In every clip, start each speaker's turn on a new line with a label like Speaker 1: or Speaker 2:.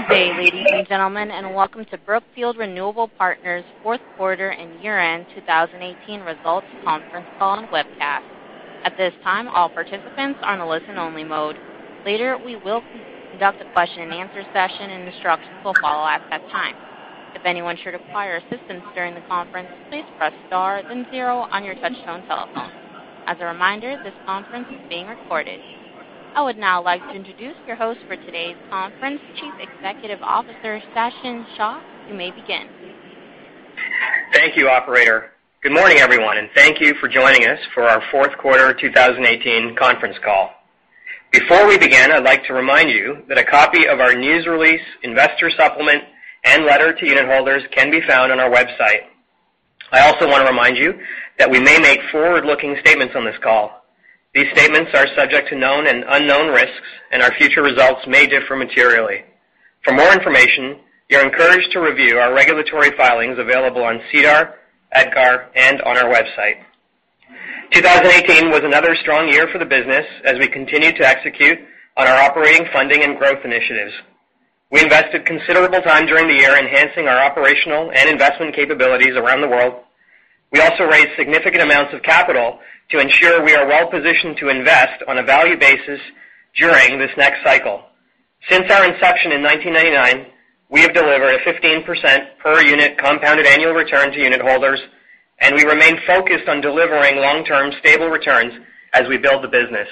Speaker 1: Good day, ladies and gentlemen, and welcome to Brookfield Renewable Partners' fourth quarter and year-end 2018 results conference call and webcast. At this time, all participants are on a listen-only mode. Later, we will conduct a question and answer session, and instructions will follow at that time. If anyone should require assistance during the conference, please press star then zero on your touchtone telephone. As a reminder, this conference is being recorded. I would now like to introduce your host for today's conference, Chief Executive Officer, Sachin Shah. You may begin.
Speaker 2: Thank you, operator. Good morning, everyone, and thank you for joining us for our fourth quarter 2018 conference call. Before we begin, I'd like to remind you that a copy of our news release, investor supplement, and letter to unit holders can be found on our website. I also wanna remind you that we may make forward-looking statements on this call. These statements are subject to known and unknown risks, and our future results may differ materially. For more information, you're encouraged to review our regulatory filings available on SEDAR, EDGAR, and on our website. 2018 was another strong year for the business as we continued to execute on our operating, funding, and growth initiatives. We invested considerable time during the year enhancing our operational and investment capabilities around the world. We also raised significant amounts of capital to ensure we are well-positioned to invest on a value basis during this next cycle. Since our inception in 1999, we have delivered a 15% per unit compounded annual return to unit holders, and we remain focused on delivering long-term stable returns as we build the business.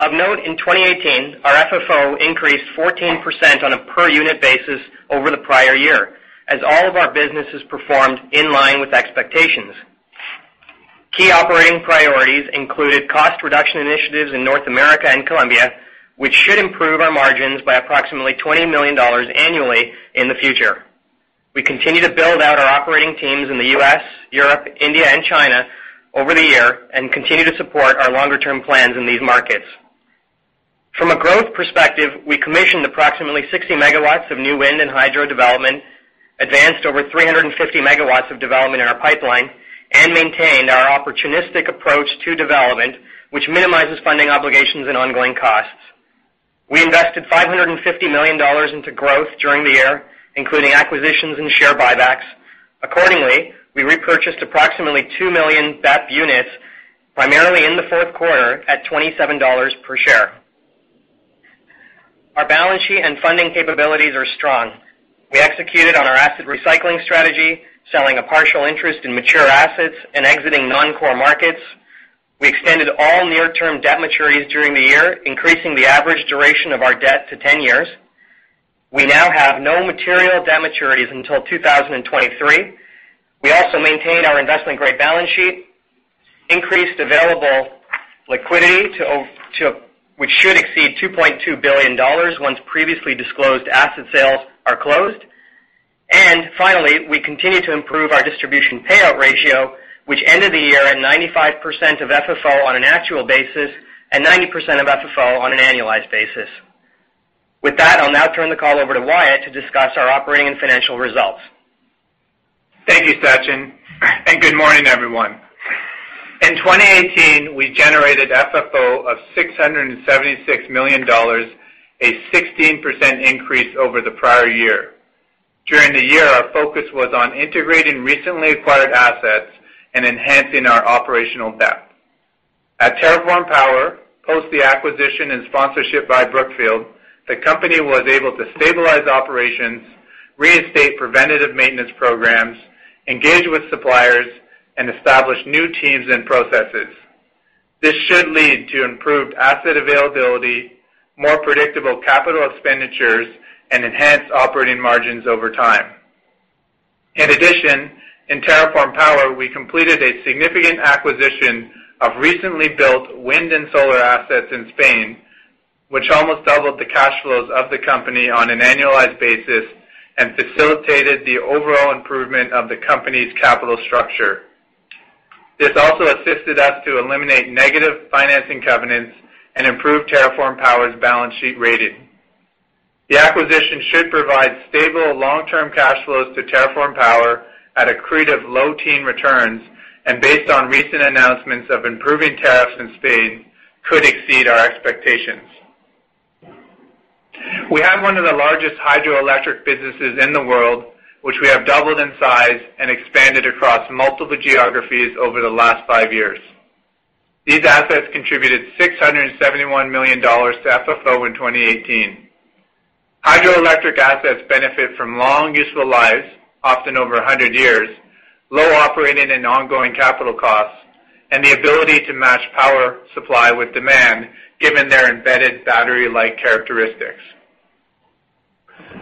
Speaker 2: Of note, in 2018, our FFO increased 14% on a per unit basis over the prior year as all of our businesses performed in line with expectations. Key operating priorities included cost reduction initiatives in North America and Colombia, which should improve our margins by approximately $20 million annually in the future. We continue to build out our operating teams in the U.S., Europe, India, and China over the year and continue to support our longer-term plans in these markets. From a growth perspective, we commissioned approximately 60 MW of new wind and hydro development, advanced over 350 MW of development in our pipeline, and maintained our opportunistic approach to development, which minimizes funding obligations and ongoing costs. We invested $550 million into growth during the year, including acquisitions and share buybacks. Accordingly, we repurchased approximately 2 million BEP units, primarily in the fourth quarter, at $27 per share. Our balance sheet and funding capabilities are strong. We executed on our asset recycling strategy, selling a partial interest in mature assets and exiting non-core markets. We extended all near-term debt maturities during the year, increasing the average duration of our debt to 10 years. We now have no material debt maturities until 2023. We also maintained our investment-grade balance sheet, increased available liquidity, which should exceed $2.2 billion once previously disclosed asset sales are closed. Finally, we continue to improve our distribution payout ratio, which ended the year at 95% of FFO on an actual basis and 90% of FFO on an annualized basis. With that, I'll now turn the call over to Wyatt to discuss our operating and financial results.
Speaker 3: Thank you, Sachin. Good morning, everyone. In 2018, we generated FFO of $676 million, a 16% increase over the prior year. During the year, our focus was on integrating recently acquired assets and enhancing our operational depth. At TerraForm Power, post the acquisition and sponsorship by Brookfield, the company was able to stabilize operations, reinstate preventative maintenance programs, engage with suppliers, and establish new teams and processes. This should lead to improved asset availability, more predictable capital expenditures, and enhanced operating margins over time. In addition, in TerraForm Power, we completed a significant acquisition of recently built wind and solar assets in Spain, which almost doubled the cash flows of the company on an annualized basis and facilitated the overall improvement of the company's capital structure. This also assisted us to eliminate negative financing covenants and improve TerraForm Power's balance sheet rating. The acquisition should provide stable long-term cash flows to TerraForm Power at accretive low teen returns, and based on recent announcements of improving tariffs in Spain, could exceed our expectations. We have one of the largest hydroelectric businesses in the world, which we have doubled in size and expanded across multiple geographies over the last 5 years. These assets contributed $671 million to FFO in 2018. Hydroelectric assets benefit from long useful lives, often over 100 years, low operating and ongoing capital costs, and the ability to match power supply with demand given their embedded battery-like characteristics.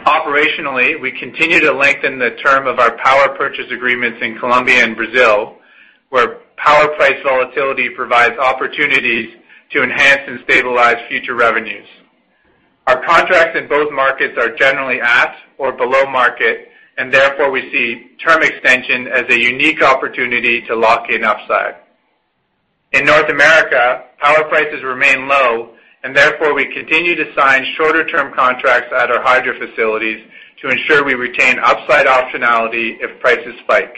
Speaker 3: Operationally, we continue to lengthen the term of our power purchase agreements in Colombia and Brazil, where power price volatility provides opportunities to enhance and stabilize future revenues. Our contracts in both markets are generally at or below market, and therefore, we see term extension as a unique opportunity to lock in upside. In North America, power prices remain low, and therefore, we continue to sign shorter term contracts at our hydro facilities to ensure we retain upside optionality if prices spike.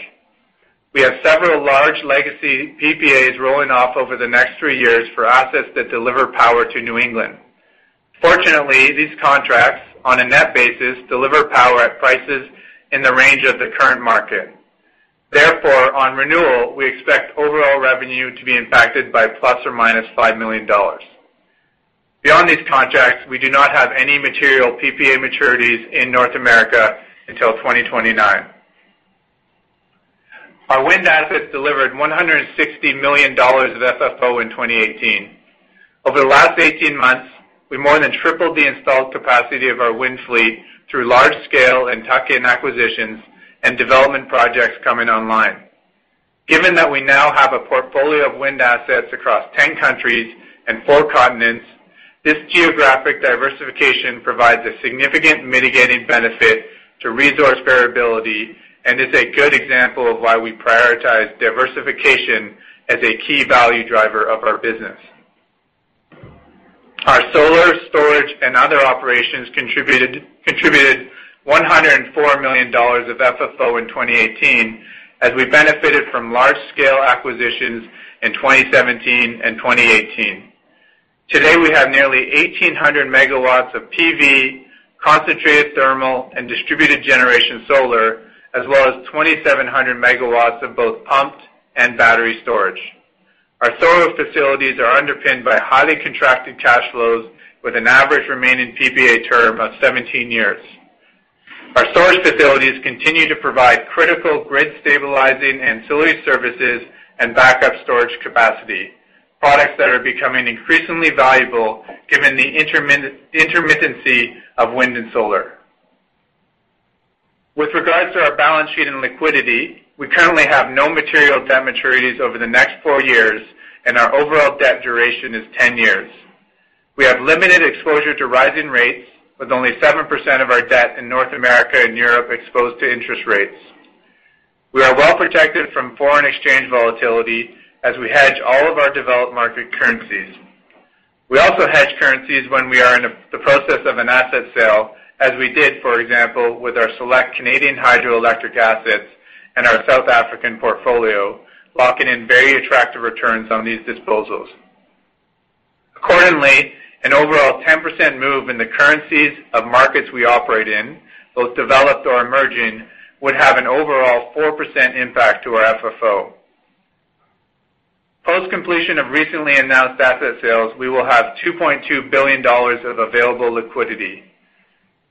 Speaker 3: We have several large legacy PPAs rolling off over the next three years for assets that deliver power to New England. Fortunately, these contracts, on a net basis, deliver power at prices in the range of the current market. Therefore, on renewal, we expect overall revenue to be impacted by ±$5 million. Beyond these contracts, we do not have any material PPA maturities in North America until 2029. Our wind assets delivered $160 million of FFO in 2018. Over the last 18 months, we more than tripled the installed capacity of our wind fleet through large-scale and tuck-in acquisitions and development projects coming online. Given that we now have a portfolio of wind assets across 10 countries and four continents, this geographic diversification provides a significant mitigating benefit to resource variability and is a good example of why we prioritize diversification as a key value driver of our business. Our solar, storage, and other operations contributed $104 million of FFO in 2018 as we benefited from large-scale acquisitions in 2017 and 2018. Today, we have nearly 1,800 MW of PV, concentrated thermal, and distributed generation solar, as well as 2,700 MW of both pumped and battery storage. Our solar facilities are underpinned by highly contracted cash flows with an average remaining PPA term of 17 years. Our storage facilities continue to provide critical grid-stabilizing ancillary services and backup storage capacity, products that are becoming increasingly valuable given the intermittency of wind and solar. With regards to our balance sheet and liquidity, we currently have no material debt maturities over the next four years, and our overall debt duration is 10 years. We have limited exposure to rising rates, with only 7% of our debt in North America and Europe exposed to interest rates. We are well protected from foreign exchange volatility as we hedge all of our developed market currencies. We also hedge currencies when we are in the process of an asset sale, as we did, for example, with our select Canadian hydroelectric assets and our South African portfolio, locking in very attractive returns on these disposals. Accordingly, an overall 10% move in the currencies of markets we operate in, both developed or emerging, would have an overall 4% impact to our FFO. Post-completion of recently announced asset sales, we will have $2.2 billion of available liquidity.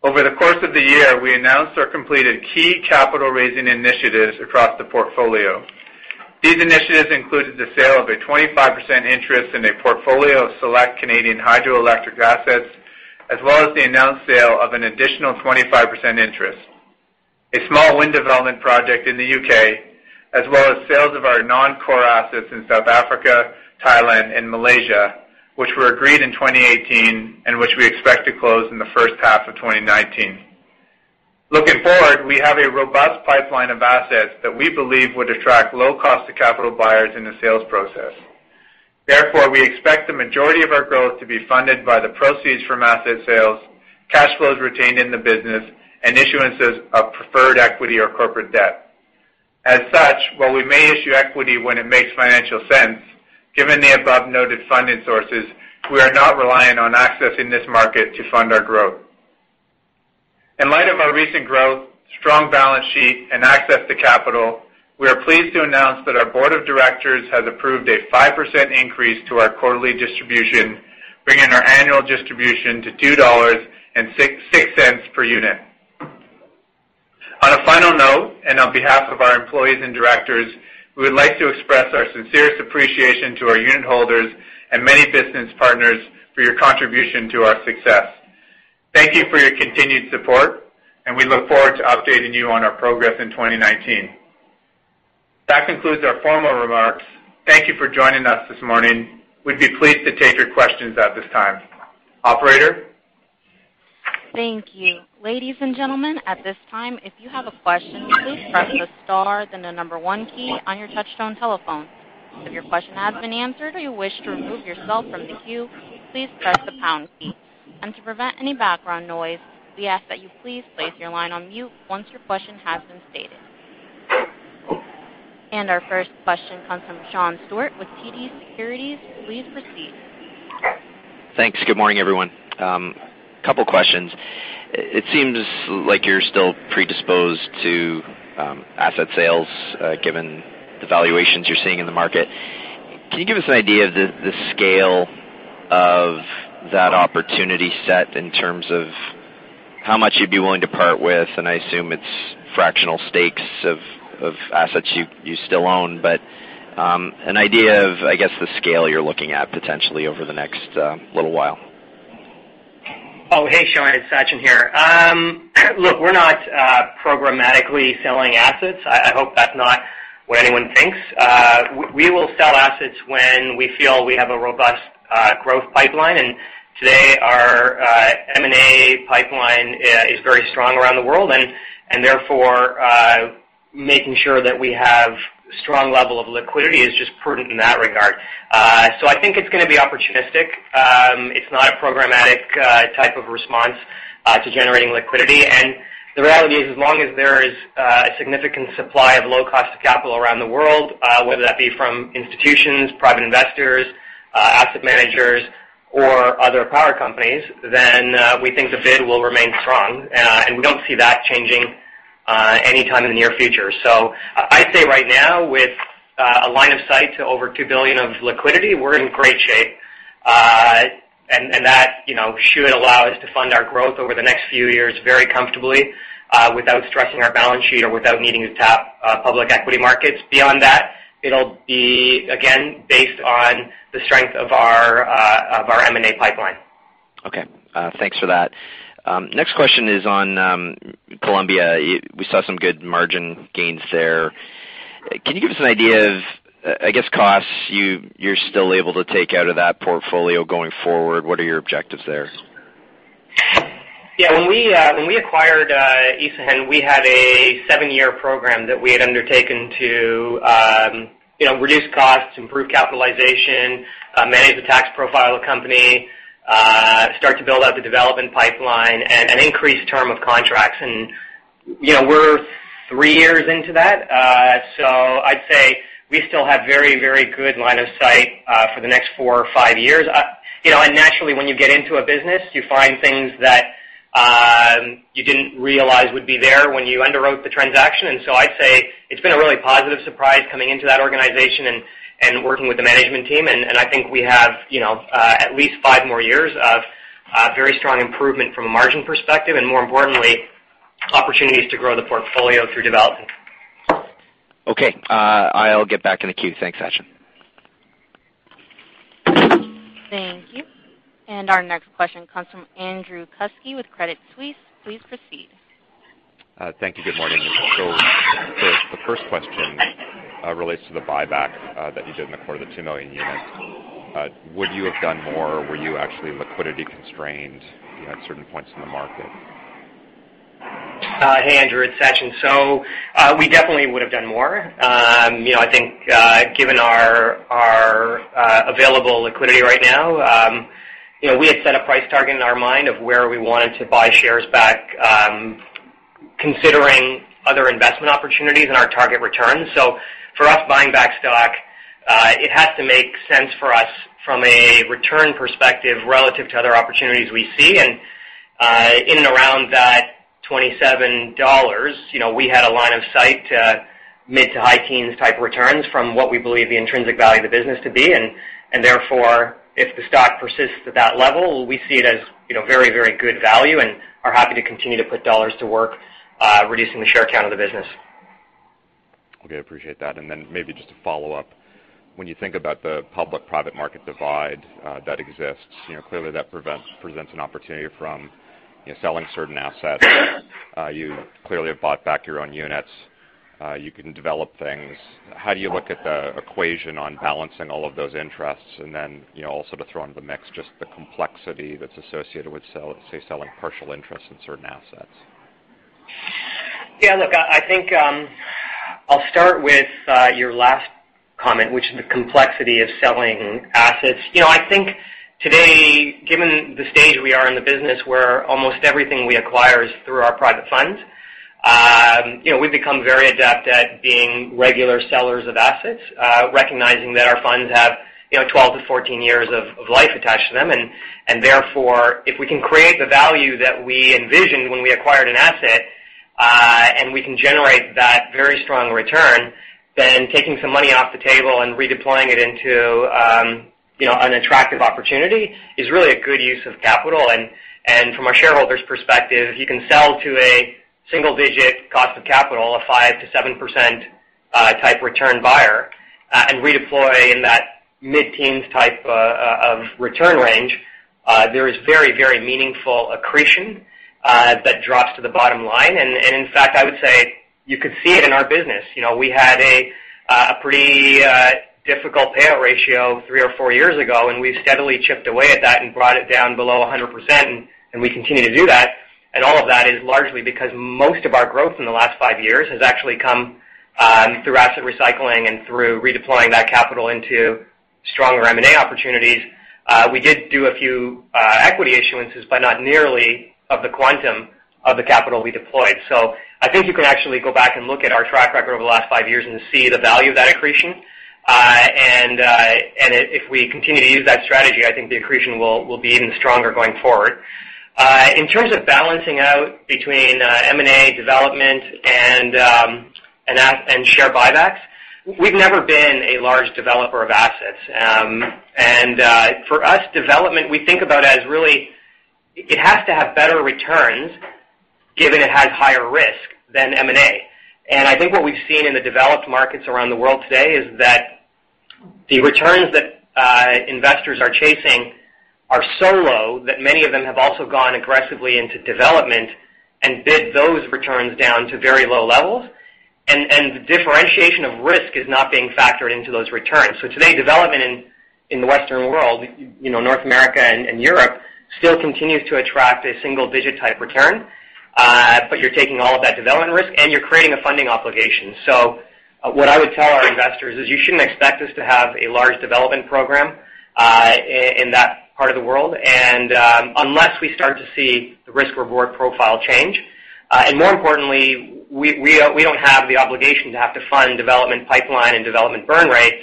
Speaker 3: Over the course of the year, we announced or completed key capital-raising initiatives across the portfolio. These initiatives included the sale of a 25% interest in a portfolio of select Canadian hydroelectric assets, as well as the announced sale of an additional 25% interest, a small wind development project in the U.K., as well as sales of our non-core assets in South Africa, Thailand, and Malaysia, which were agreed in 2018 and which we expect to close in the first half of 2019. Looking forward, we have a robust pipeline of assets that we believe would attract low cost of capital buyers in the sales process. Therefore, we expect the majority of our growth to be funded by the proceeds from asset sales, cash flows retained in the business, and issuances of preferred equity or corporate debt. As such, while we may issue equity when it makes financial sense, given the above-noted funding sources, we are not reliant on accessing this market to fund our growth. In light of our recent growth, strong balance sheet, and access to capital, we are pleased to announce that our board of directors has approved a 5% increase to our quarterly distribution, bringing our annual distribution to $2.66 per unit. On a final note, and on behalf of our employees and directors, we would like to express our sincerest appreciation to our unit holders and many business partners for your contribution to our success. Thank you for your continued support, and we look forward to updating you on our progress in 2019. That concludes our formal remarks. Thank you for joining us this morning. We'd be pleased to take your questions at this time. Operator?
Speaker 1: Thank you. Ladies and gentlemen, at this time, if you have a question, please press the star, then the number one key on your touchtone telephone. If your question has been answered, or you wish to remove yourself from the queue, please press the pound key. To prevent any background noise, we ask that you please place your line on mute once your question has been stated. Our first question comes from Sean Steuart with TD Securities. Please proceed.
Speaker 4: Thanks. Good morning, everyone. Couple questions. It seems like you're still predisposed to asset sales, given the valuations you're seeing in the market. Can you give us an idea of the scale of that opportunity set in terms of how much you'd be willing to part with? I assume it's fractional stakes of assets you still own. An idea of, I guess, the scale you're looking at potentially over the next little while.
Speaker 2: Oh, hey, Sean. It's Sachin here. Look, we're not programmatically selling assets. I hope that's not what anyone thinks. We will sell assets when we feel we have a robust growth pipeline. Today, our M&A pipeline is very strong around the world. Therefore, making sure that we have strong level of liquidity is just prudent in that regard. I think it's gonna be opportunistic. It's not a programmatic type of response to generating liquidity. The reality is, as long as there is a significant supply of low cost of capital around the world, whether that be from institutions, private investors. Asset managers or other power companies, then, we think the bid will remain strong. We don't see that changing anytime in the near future. I'd say right now with a line of sight to over $2 billion of liquidity, we're in great shape. That you know should allow us to fund our growth over the next few years very comfortably, without stressing our balance sheet or without needing to tap public equity markets. Beyond that, it'll be again based on the strength of our M&A pipeline.
Speaker 4: Okay, thanks for that. Next question is on Colombia. We saw some good margin gains there. Can you give us an idea of, I guess, costs you're still able to take out of that portfolio going forward? What are your objectives there?
Speaker 2: Yeah. When we acquired Isagen, we had a seven-year program that we had undertaken to you know, reduce costs, improve capitalization, manage the tax profile of the company, start to build out the development pipeline and increase term of contracts. You know, we're three years into that. I'd say we still have very, very good line of sight for the next four or five years. You know, naturally, when you get into a business, you find things that you didn't realize would be there when you underwrote the transaction. I'd say it's been a really positive surprise coming into that organization and working with the management team. I think we have, you know, at least five more years of very strong improvement from a margin perspective, and more importantly, opportunities to grow the portfolio through development.
Speaker 4: Okay. I'll get back in the queue. Thanks, Sachin.
Speaker 1: Thank you. Our next question comes from Andrew Kuske with Credit Suisse. Please proceed.
Speaker 5: Thank you. Good morning. The first question relates to the buyback that you did in the quarter, the 2 million units. Would you have done more, or were you actually liquidity constrained, you know, at certain points in the market?
Speaker 2: Hey, Andrew, it's Sachin. We definitely would've done more. You know, I think, given our available liquidity right now, you know, we had set a price target in our mind of where we wanted to buy shares back, considering other investment opportunities and our target returns. For us, buying back stock, it has to make sense for us from a return perspective relative to other opportunities we see. In and around that $27, you know, we had a line of sight to mid- to high teens type returns from what we believe the intrinsic value of the business to be. therefore, if the stock persists at that level, we see it as, you know, very, very good value and are happy to continue to put dollars to work, reducing the share count of the business.
Speaker 5: Okay, appreciate that. Maybe just to follow up, when you think about the public-private market divide that exists, you know, clearly that presents an opportunity from, you know, selling certain assets. You clearly have bought back your own units. You can develop things. How do you look at the equation on balancing all of those interests? You know, also to throw into the mix just the complexity that's associated with say, selling partial interests in certain assets.
Speaker 2: Yeah. Look, I think I'll start with your last comment, which is the complexity of selling assets. You know, I think today, given the stage we are in the business where almost everything we acquire is through our private funds, you know, we've become very adept at being regular sellers of assets, recognizing that our funds have, you know, 12-14 years of life attached to them. Therefore, if we can create the value that we envisioned when we acquired an asset, and we can generate that very strong return, then taking some money off the table and redeploying it into, you know, an attractive opportunity, is really a good use of capital. From a shareholder's perspective, if you can sell to a single-digit cost of capital, a 5%-7% type return buyer, and redeploy in that mid-teens type of return range, there is very, very meaningful accretion that drops to the bottom line. In fact, I would say you could see it in our business. You know, we had a pretty difficult payout ratio three or four years ago, and we've steadily chipped away at that and brought it down below 100%, and we continue to do that. All of that is largely because most of our growth in the last five years has actually come through asset recycling and through redeploying that capital into stronger M&A opportunities. We did do a few equity issuances, but not nearly of the quantum of the capital we deployed. I think you can actually go back and look at our track record over the last five years and see the value of that accretion. If we continue to use that strategy, I think the accretion will be even stronger going forward. In terms of balancing out between M&A development and share buybacks, we've never been a large developer of assets. For us, development we think about as really it has to have better returns given it has higher risk than M&A. I think what we've seen in the developed markets around the world today is that the returns that investors are chasing are so low that many of them have also gone aggressively into development and bid those returns down to very low levels. The differentiation of risk is not being factored into those returns. Today, development in the Western world, you know, North America and Europe, still continues to attract a single-digit type return. You're taking all of that development risk, and you're creating a funding obligation. What I would tell our investors is you shouldn't expect us to have a large development program in parts of the world. Unless we start to see the risk reward profile change, and more importantly, we don't have the obligation to have to fund development pipeline and development burn rate,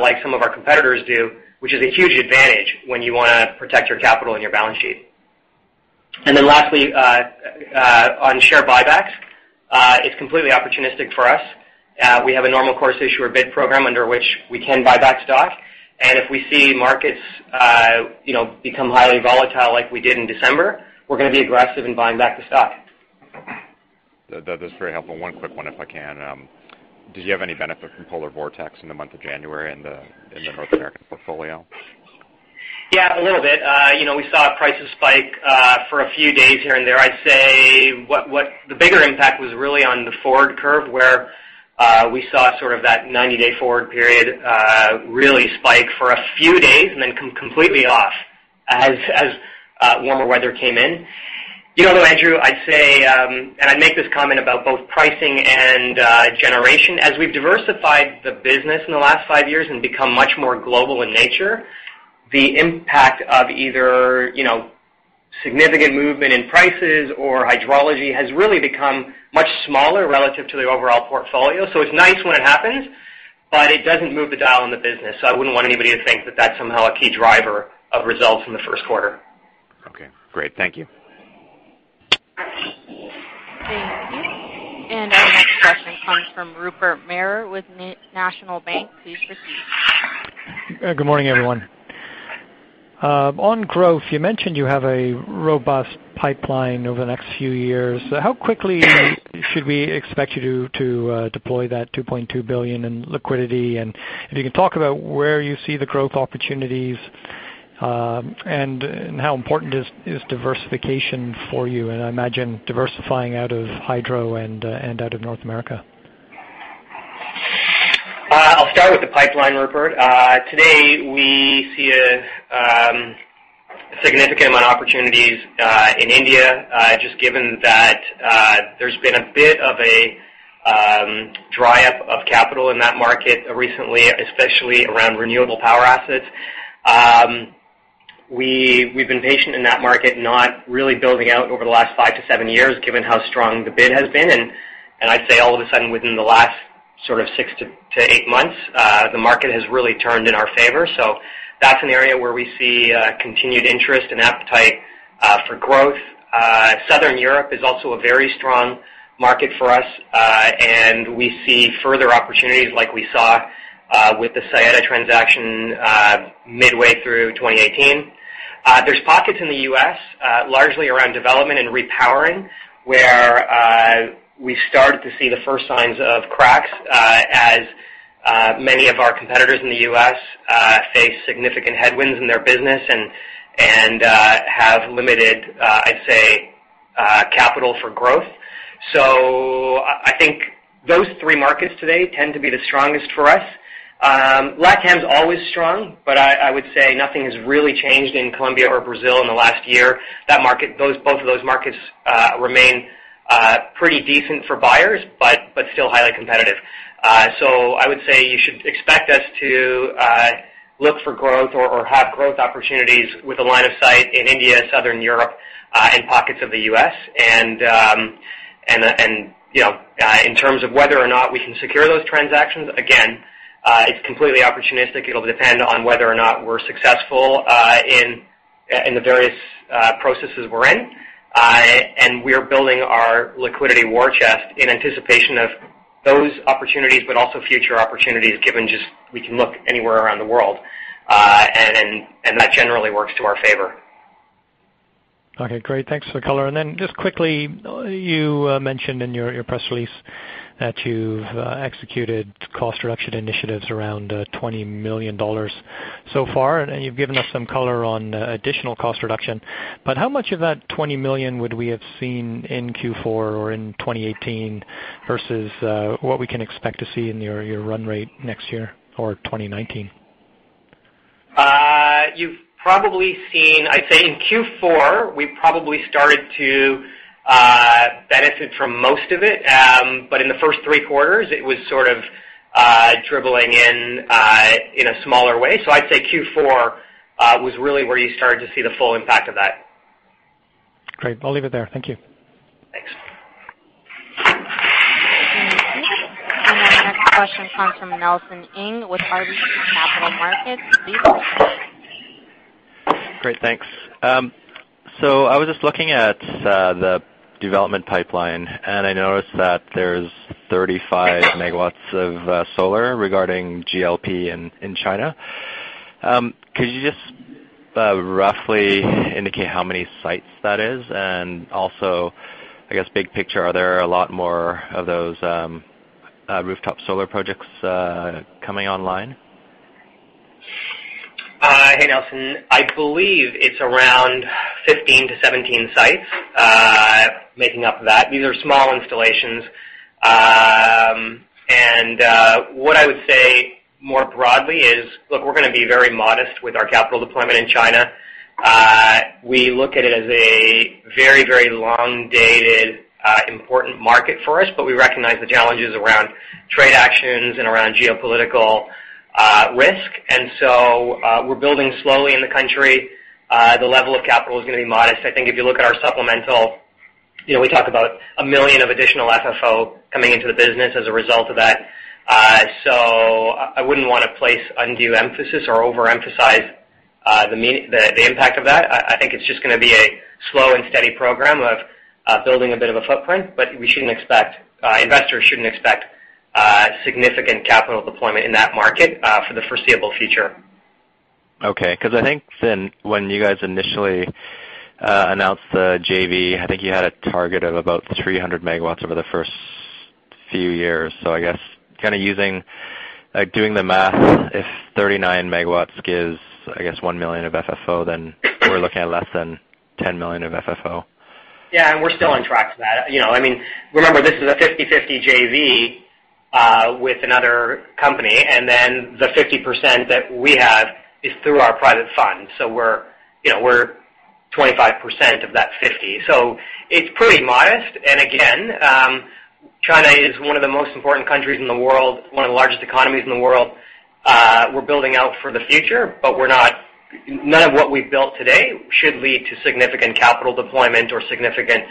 Speaker 2: like some of our competitors do, which is a huge advantage when you wanna protect your capital and your balance sheet. Lastly, on share buybacks, it's completely opportunistic for us. We have a Normal Course Issuer Bid program under which we can buy back stock. If we see markets, you know, become highly volatile like we did in December, we're gonna be aggressive in buying back the stock.
Speaker 5: That's very helpful. One quick one if I can. Did you have any benefit from polar vortex in the month of January in the North American portfolio?
Speaker 2: Yeah, a little bit. You know, we saw prices spike for a few days here and there. I'd say the bigger impact was really on the forward curve where we saw sort of that 90-day forward period really spike for a few days and then come completely off as warmer weather came in. You know what, Andrew? I'd say, and I make this comment about both pricing and generation. As we've diversified the business in the last five years and become much more global in nature, the impact of either, you know, significant movement in prices or hydrology has really become much smaller relative to the overall portfolio. So it's nice when it happens, but it doesn't move the dial in the business. I wouldn't want anybody to think that that's somehow a key driver of results in the first quarter.
Speaker 5: Okay, great. Thank you.
Speaker 1: Thank you. Our next question comes from Rupert Merer with National Bank. Please proceed.
Speaker 6: Good morning, everyone. On growth, you mentioned you have a robust pipeline over the next few years. How quickly should we expect you to deploy that $2.2 billion in liquidity? If you can talk about where you see the growth opportunities and how important is diversification for you. I imagine diversifying out of hydro and out of North America.
Speaker 2: I'll start with the pipeline, Rupert. Today, we see a significant amount of opportunities in India, just given that there's been a bit of a dry up of capital in that market recently, especially around renewable power assets. We've been patient in that market, not really building out over the last five to seven years, given how strong the bid has been. I'd say all of a sudden within the last sort of six to eight months, the market has really turned in our favor. That's an area where we see continued interest and appetite for growth. Southern Europe is also a very strong market for us, and we see further opportunities like we saw with the Saeta transaction midway through 2018. There's pockets in the U.S., largely around development and repowering, where we started to see the first signs of cracks, as many of our competitors in the U.S. face significant headwinds in their business and have limited, I'd say, capital for growth. I think those three markets today tend to be the strongest for us. LatAm's always strong, but I would say nothing has really changed in Colombia or Brazil in the last year. Both of those markets remain pretty decent for buyers, but still highly competitive. You should expect us to look for growth or have growth opportunities with a line of sight in India, Southern Europe, and pockets of the U.S. you know, in terms of whether or not we can secure those transactions, again, it's completely opportunistic. It'll depend on whether or not we're successful in the various processes we're in. We're building our liquidity war chest in anticipation of those opportunities, but also future opportunities given just we can look anywhere around the world. That generally works to our favor.
Speaker 6: Okay, great. Thanks for the color. Then just quickly, you mentioned in your press release that you've executed cost reduction initiatives around $20 million so far. You've given us some color on additional cost reduction. How much of that $20 million would we have seen in Q4 or in 2018 versus what we can expect to see in your run rate next year or 2019?
Speaker 2: You've probably seen. I'd say in Q4, we probably started to benefit from most of it. In the first three quarters, it was sort of dribbling in in a smaller way. I'd say Q4 was really where you started to see the full impact of that.
Speaker 6: Great. I'll leave it there. Thank you.
Speaker 2: Thanks.
Speaker 1: Thank you. Our next question comes from Nelson Ng with RBC Capital Markets.
Speaker 7: Great, thanks. I was just looking at the development pipeline, and I noticed that there's 35 MW of solar regarding GLP in China. Could you just roughly indicate how many sites that is? And also, I guess big picture, are there a lot more of those rooftop solar projects coming online?
Speaker 2: Hey, Nelson. I believe it's around 15-17 sites making up that. These are small installations. What I would say more broadly is, look, we're gonna be very modest with our capital deployment in China. We look at it as a very, very long-dated important market for us, but we recognize the challenges around trade actions and around geopolitical risk. We're building slowly in the country. The level of capital is gonna be modest. I think if you look at our supplemental, you know, we talk about $1 million of additional FFO coming into the business as a result of that. I wouldn't wanna place undue emphasis or overemphasize the impact of that. I think it's just gonna be a slow and steady program of building a bit of a footprint. Investors shouldn't expect significant capital deployment in that market for the foreseeable future.
Speaker 7: Okay. 'Cause I think then when you guys initially announced the JV, I think you had a target of about 300 MW over the first few years. I guess kinda using, like, doing the math, if 39 MW gives, I guess, $1 million of FFO, then we're looking at less than $10 million of FFO.
Speaker 2: Yeah. We're still on track to that. You know, I mean, remember, this is a 50/50 JV with another company, and then the 50% that we have is through our private fund. You know, we're 25% of that 50%. It's pretty modest. Again, China is one of the most important countries in the world, one of the largest economies in the world. We're building out for the future, but none of what we've built today should lead to significant capital deployment or significant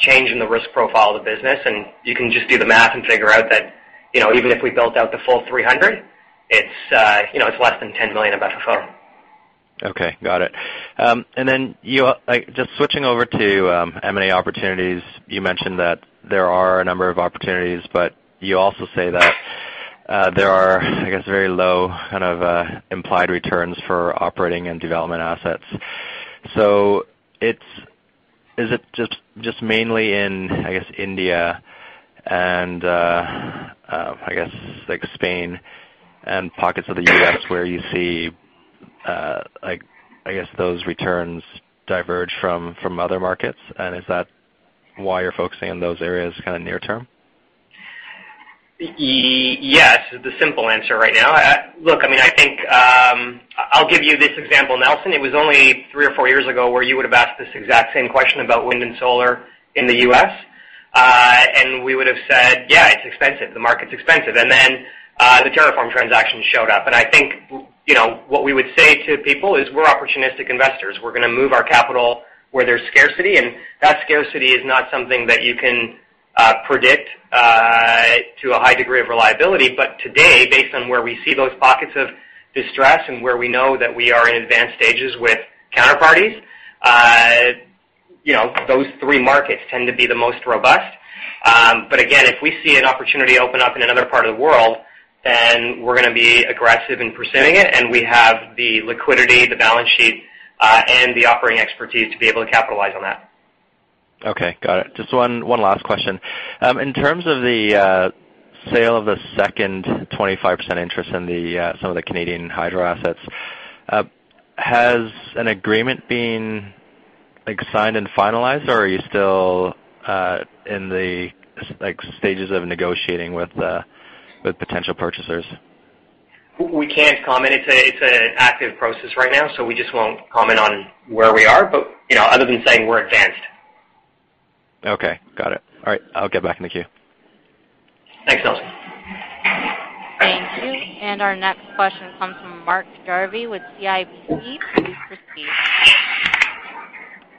Speaker 2: change in the risk profile of the business. You can just do the math and figure out that, you know, even if we built out the full 300, you know, it's less than $10 million of FFO.
Speaker 7: Okay. Got it. Like, just switching over to M&A opportunities, you mentioned that there are a number of opportunities, but you also say that there are, I guess, very low, kind of, implied returns for operating and development assets. It's just mainly in, I guess, India and, I guess, like Spain and pockets of the U.S. where you see, like, I guess those returns diverge from other markets, and is that why you're focusing on those areas kinda near term?
Speaker 2: Yes, is the simple answer right now. Look, I mean, I think I'll give you this example, Nelson. It was only three or four years ago where you would've asked this exact same question about wind and solar in the U.S. We would've said, "Yeah, it's expensive. The market's expensive." Then the TerraForm transaction showed up. I think what we would say to people is, we're opportunistic investors. We're gonna move our capital where there's scarcity, and that scarcity is not something that you can predict to a high degree of reliability. Today, based on where we see those pockets of distress and where we know that we are in advanced stages with counterparties, you know, those three markets tend to be the most robust. If we see an opportunity open up in another part of the world, then we're gonna be aggressive in pursuing it, and we have the liquidity, the balance sheet, and the operating expertise to be able to capitalize on that.
Speaker 7: Okay. Got it. Just one last question. In terms of the sale of the second 25% interest in some of the Canadian hydro assets, has an agreement been, like, signed and finalized, or are you still in the like stages of negotiating with potential purchasers?
Speaker 2: We can't comment. It's an active process right now, so we just won't comment on where we are, but you know, other than saying we're advanced.
Speaker 7: Okay. Got it. All right. I'll get back in the queue.
Speaker 2: Thanks, Nelson.
Speaker 1: Thank you. Our next question comes from Mark Jarvi with CIBC. Please proceed.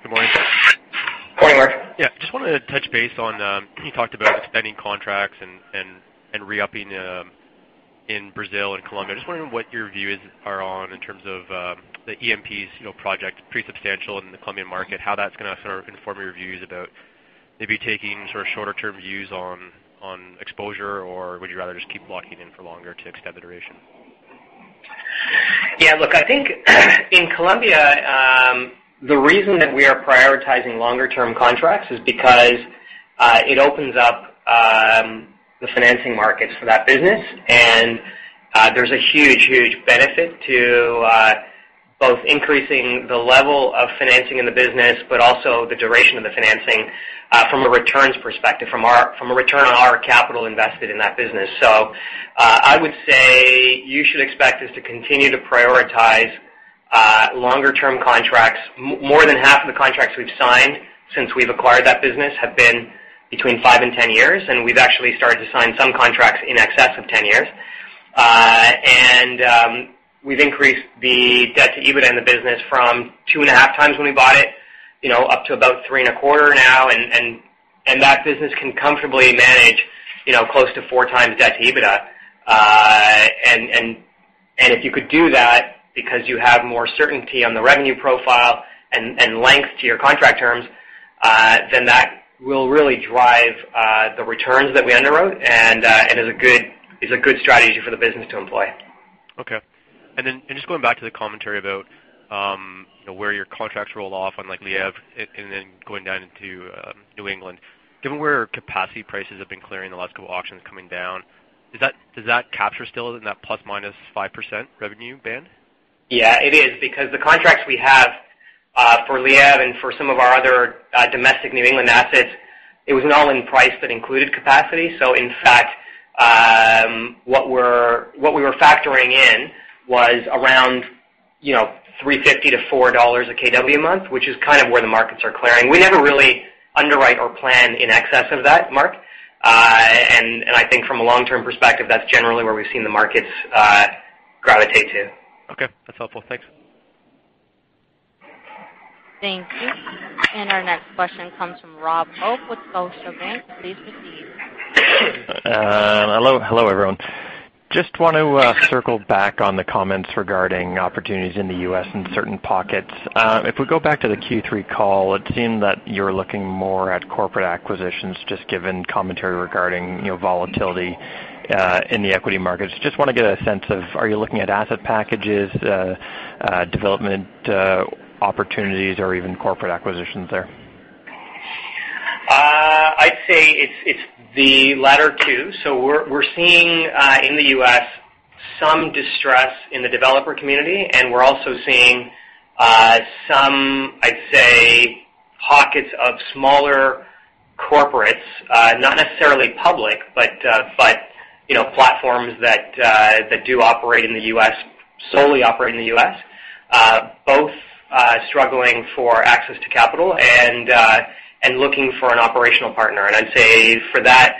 Speaker 8: Good morning.
Speaker 2: Morning, Mark.
Speaker 8: Yeah. Just wanted to touch base on, you talked about extending contracts and re-upping in Brazil and Colombia. Just wondering what your views are on in terms of the EPM, you know, project pretty substantial in the Colombian market, how that's gonna sort of inform your views about maybe taking sort of shorter-term views on exposure, or would you rather just keep locking in for longer to extend the duration?
Speaker 2: Yeah. Look, I think, in Colombia, the reason that we are prioritizing longer-term contracts is because it opens up the financing markets for that business. There's a huge benefit to both increasing the level of financing in the business, but also the duration of the financing, from a returns perspective, from a return on our capital invested in that business. I would say you should expect us to continue to prioritize longer-term contracts. More than half of the contracts we've signed since we've acquired that business have been between five and 10 years, and we've actually started to sign some contracts in excess of 10 years. We've increased the debt to EBITDA in the business from 2.5x when we bought it, you know, up to about 3.25x now. That business can comfortably manage, you know, close to 4x debt to EBITDA. If you could do that because you have more certainty on the revenue profile and length to your contract terms, then that will really drive the returns that we underwrote and it's a good strategy for the business to employ.
Speaker 8: Okay. Just going back to the commentary about, you know, where your contracts rolled off on, like, Lièvre and then going down into New England. Given where capacity prices have been clearing the last couple auctions coming down, does that capture still within that ±5% revenue band?
Speaker 2: Yeah, it is. Because the contracts we have for Lièvre and for some of our other domestic New England assets, it was an all-in price that included capacity. In fact, what we were factoring in was around, you know, $3.50-$4 a kW a month, which is kind of where the markets are clearing. We never really underwrite or plan in excess of that mark. I think from a long-term perspective, that's generally where we've seen the markets gravitate to.
Speaker 8: Okay. That's helpful. Thanks.
Speaker 1: Thank you. Our next question comes from Robert Hope with Scotiabank. Please proceed.
Speaker 9: Hello, hello, everyone. Just want to circle back on the comments regarding opportunities in the U.S. in certain pockets. If we go back to the Q3 call, it seemed that you're looking more at corporate acquisitions, just given commentary regarding, you know, volatility in the equity markets. Just wanna get a sense of, are you looking at asset packages, development opportunities, or even corporate acquisitions there?
Speaker 2: I'd say it's the latter two. We're seeing in the U.S. some distress in the developer community, and we're also seeing some, I'd say, pockets of smaller corporates, not necessarily public, but you know, platforms that do operate in the U.S., solely operate in the U.S., both struggling for access to capital and looking for an operational partner. I'd say for that,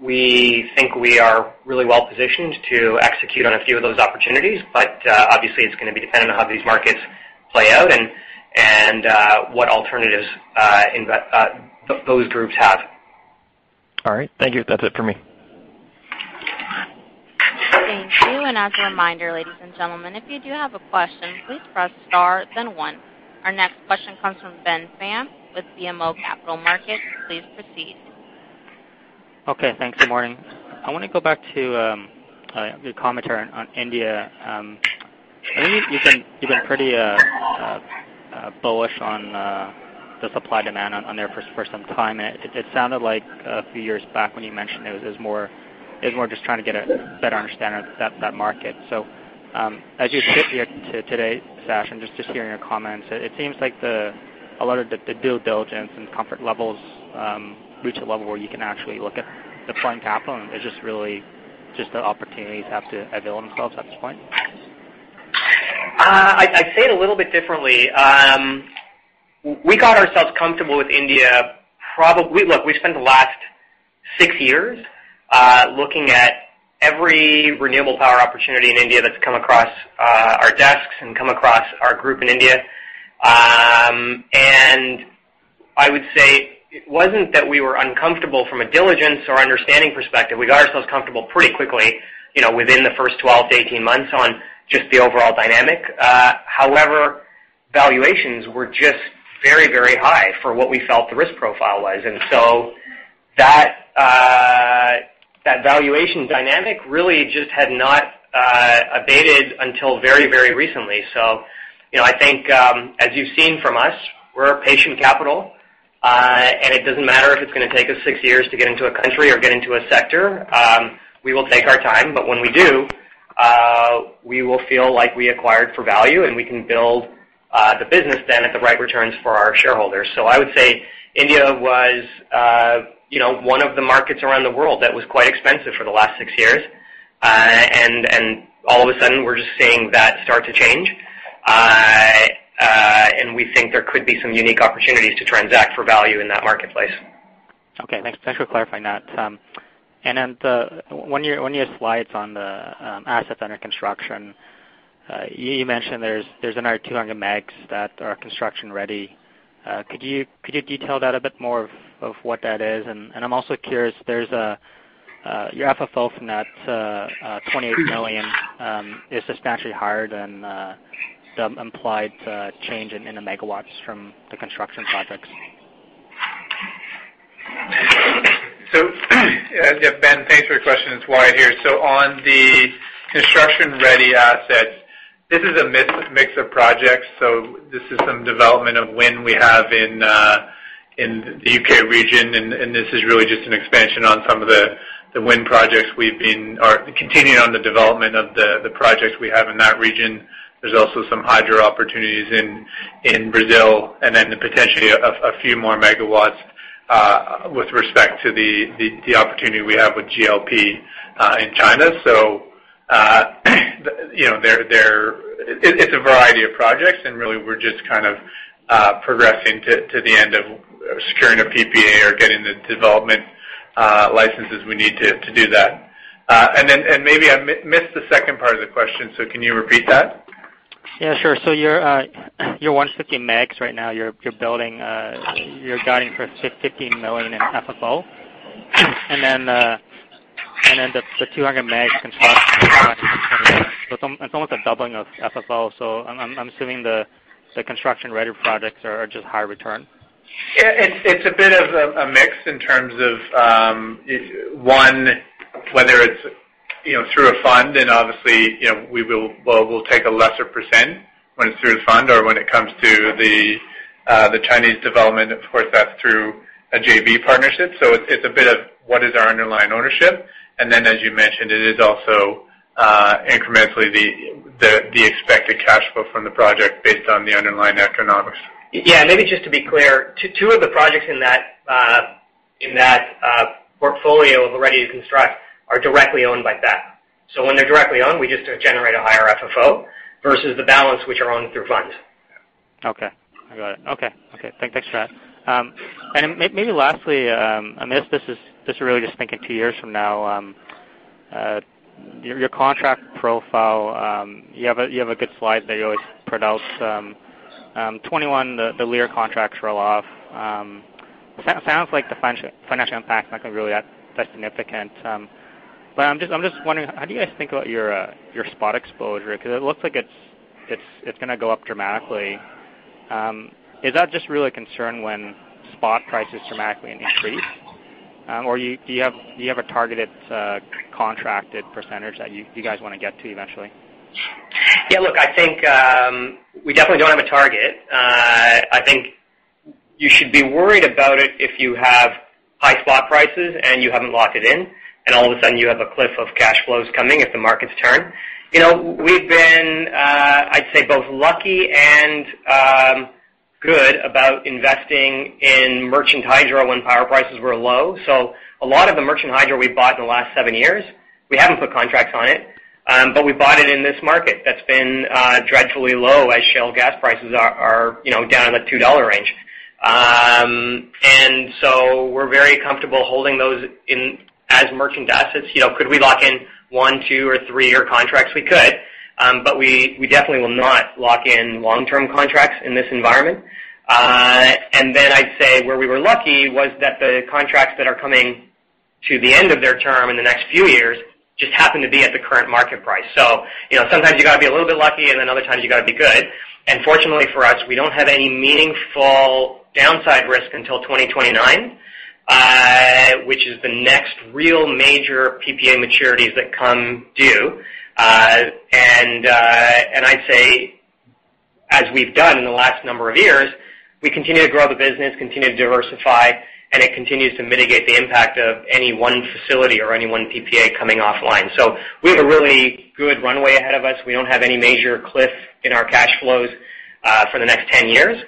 Speaker 2: we think we are really well-positioned to execute on a few of those opportunities. Obviously, it's gonna be dependent on how these markets play out and what alternatives those groups have.
Speaker 9: All right. Thank you. That's it for me.
Speaker 1: Thank you. As a reminder, ladies and gentlemen, if you do have a question, please press star then one. Our next question comes from Ben Pham with BMO Capital Markets. Please proceed.
Speaker 10: Okay, thanks. Good morning. I wanna go back to your commentary on India. I know you've been pretty bullish on the supply-demand on there for some time, and it sounded like a few years back when you mentioned it was more just trying to get a better understanding of that market. As you sit here today, Sachin, and just hearing your comments, it seems like a lot of the due diligence and comfort levels reach a level where you can actually look at deploying capital, and it's just really the opportunities have to avail themselves at this point.
Speaker 2: I'd say it a little bit differently. We got ourselves comfortable with India. Look, we've spent the last six years looking at every renewable power opportunity in India that's come across our desks and come across our group in India. I would say it wasn't that we were uncomfortable from a diligence or understanding perspective. We got ourselves comfortable pretty quickly, you know, within the first 12-18 months on just the overall dynamic. However, valuations were just very, very high for what we felt the risk profile was. That valuation dynamic really just had not abated until very, very recently. You know, I think, as you've seen from us, we're a patient capital, and it doesn't matter if it's gonna take us six years to get into a country or get into a sector, we will take our time. When we do, we will feel like we acquired for value, and we can build the business then at the right returns for our shareholders. I would say India was, you know, one of the markets around the world that was quite expensive for the last six years. All of a sudden, we're just seeing that start to change. We think there could be some unique opportunities to transact for value in that marketplace.
Speaker 10: Okay. Thanks for clarifying that. When your slides on the assets under construction, you mentioned there's another 200 MW that are construction-ready. Could you detail that a bit more of what that is? I'm also curious, there's your FFO from that $28 million is substantially higher than the implied change in the megawatts from the construction projects.
Speaker 3: Yeah, Ben, thanks for your question. It's Wyatt here. On the construction-ready assets, this is a mix of projects. This is some development of wind we have in the U.K. region, and this is really just an expansion on some of the wind projects we are continuing on the development of the projects we have in that region. There's also some hydro opportunities in Brazil, and then potentially a few more megawatts with respect to the opportunity we have with GLP in China. You know, it's a variety of projects, and really, we're just kind of progressing to the end of securing a PPA or getting the development licenses we need to do that. Maybe I missed the second part of the question, so can you repeat that?
Speaker 10: Yeah, sure. Your 150 MW right now, you're building. You're guiding for $50 million in FFO. Then the 200 MW construction. It's almost a doubling of FFO. I'm assuming the construction-ready projects are just high return.
Speaker 3: Yeah. It's a bit of a mix in terms of one, whether it's, you know, through a fund and obviously, you know, we'll take a lesser percent when it's through a fund or when it comes to the Chinese development, of course, that's through a JV partnership. It's a bit of what is our underlying ownership. Then, as you mentioned, it is also incrementally the project based on the underlying economics.
Speaker 2: Yeah, maybe just to be clear, two of the projects in that portfolio of ready-to-construct are directly owned by that. So when they're directly owned, we just generate a higher FFO versus the balance which are owned through funds.
Speaker 10: Okay. I got it. Thanks for that. Maybe lastly, I mean, this is really just thinking two years from now, your contract profile, you have a good slide that you always produce. 2021, the Lièvre contracts roll-off. Sounds like the financial impact is not gonna really that significant. But I'm just wondering, how do you guys think about your spot exposure? 'Cause it looks like it's gonna go up dramatically. Is that just really a concern when spot prices dramatically increase? Or do you have a targeted contracted percentage that you guys wanna get to eventually?
Speaker 2: Yeah, look, I think we definitely don't have a target. I think you should be worried about it if you have high spot prices and you haven't locked it in, and all of a sudden you have a cliff of cash flows coming if the markets turn. You know, we've been, I'd say both lucky and good about investing in merchant hydro when power prices were low. A lot of the merchant hydro we've bought in the last 7 years, we haven't put contracts on it, but we bought it in this market that's been dreadfully low as shale gas prices are, you know, down in the $2 range. We're very comfortable holding those in as merchant assets. You know, could we lock in one, two, or three year contracts? We could. We definitely will not lock in long-term contracts in this environment. I'd say where we were lucky was that the contracts that are coming to the end of their term in the next few years just happen to be at the current market price. You know, sometimes you gotta be a little bit lucky, and then other times you gotta be good. Fortunately for us, we don't have any meaningful downside risk until 2029, which is the next real major PPA maturities that come due. I'd say as we've done in the last number of years, we continue to grow the business, continue to diversify, and it continues to mitigate the impact of any one facility or any one PPA coming offline. We have a really good runway ahead of us. We don't have any major cliff in our cash flows for the next 10 years.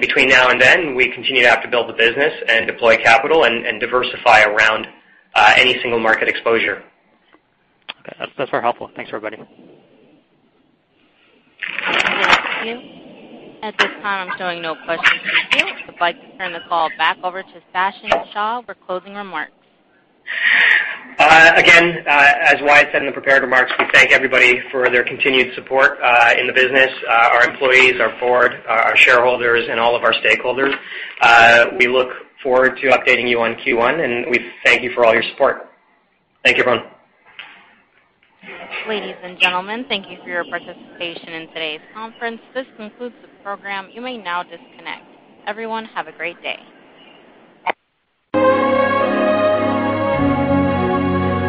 Speaker 2: Between now and then, we continue to have to build the business and deploy capital and diversify around any single market exposure.
Speaker 10: Okay. That's very helpful. Thanks for everybody.
Speaker 1: Thank you. At this time, I'm showing no questions in the queue. I'd like to turn the call back over to Sachin Shah for closing remarks.
Speaker 2: Again, as Wyatt said in the prepared remarks, we thank everybody for their continued support in the business, our employees, our board, our shareholders, and all of our stakeholders. We look forward to updating you on Q1, and we thank you for all your support. Thank you, everyone.
Speaker 1: Ladies and gentlemen, thank you for your participation in today's conference. This concludes the program. You may now disconnect. Everyone, have a great day.